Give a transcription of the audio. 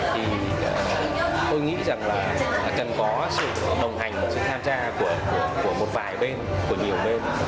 thì tôi nghĩ rằng là cần có sự đồng hành một sự tham gia của một vài bên của nhiều bên